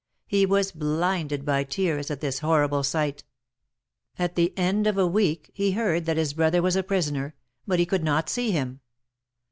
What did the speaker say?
He was blinded by tears at this horrible sight. At the end of a week he heard that his brother was a prisoner, but he could not see him.